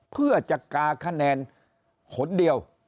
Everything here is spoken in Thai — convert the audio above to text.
เพื่อจะกาคะแนนขนเดียว